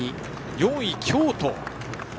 ４位、京都。